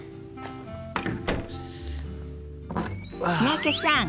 三宅さん